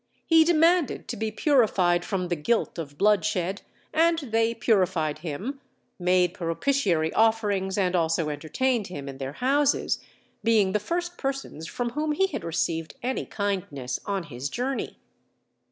He demanded to be purified from the guilt of bloodshed, and they purified him, made propitiatory offerings, and also entertained him in their houses, being the first persons from whom he had received any kindness on his journey.